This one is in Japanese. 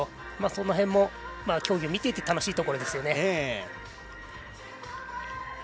その辺も競技を見ていて楽しいところですね。